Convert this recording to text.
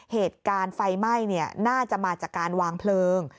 เหตุการณ์ไฟไหม้น่าจะมาจากการวางเพลิง